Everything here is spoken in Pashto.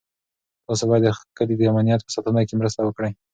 تاسو باید د کلي د امنیت په ساتنه کې مرسته وکړئ.